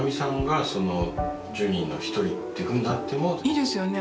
いいですよね